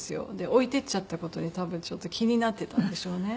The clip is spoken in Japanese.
置いていっちゃった事に多分ちょっと気になってたんでしょうね。